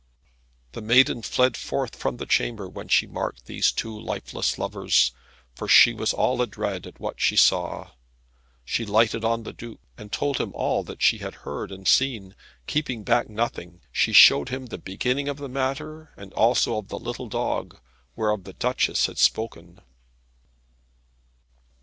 The maiden fled forth from the chamber, when she marked these lifeless lovers, for she was all adread at what she saw. She lighted on the Duke, and told him all that she had heard and seen, keeping back nothing. She showed him the beginning of the matter, and also of the little dog, whereof the Duchess had spoken.